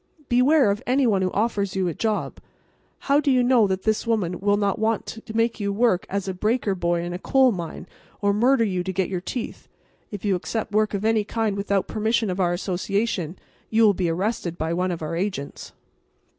Beware of any one who offers you a job. How do you know that this woman does not want to make you work as a breaker boy in a coal mine or murder you to get your teeth? If you accept work of any kind without permission of our association you will be arrested by one of our agents."